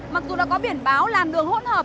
mặc dù đã có biển báo làm đường hỗn hợp